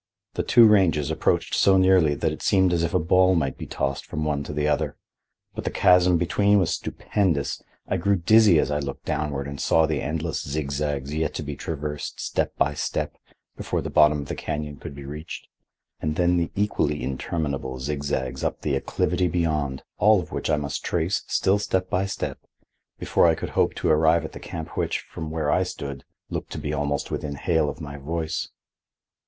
The two ranges approached so nearly that it seemed as if a ball might be tossed from one to the other. But the chasm between was stupendous. I grew dizzy as I looked downward and saw the endless zigzags yet to be traversed step by step before the bottom of the canyon could be reached, and then the equally interminable zigzags up the acclivity beyond, all of which I must trace, still step by step, before I could hope to arrive at the camp which, from where I stood, looked to be almost within hail of my voice.